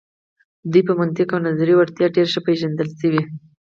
دوی په منطق او نظري وړتیا ډیر ښه پیژندل شوي.